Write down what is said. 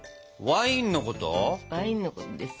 ワインのことです。